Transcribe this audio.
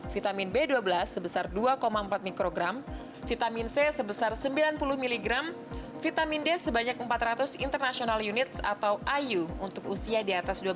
vitamin b dua belas sebesar dua empat mikrogram vitamin c sebesar sembilan puluh mg vitamin d sebanyak empat ratus international units atau iu untuk usia di atas dua puluh tahun